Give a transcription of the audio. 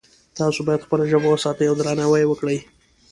تاسو باید خپله ژبه وساتئ او درناوی یې وکړئ